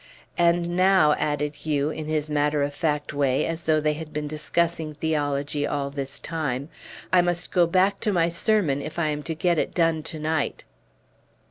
And now," added Hugh, in his matter of fact way, as though they had been discussing theology all this time, "I must go back to my sermon if I am to get it done to night."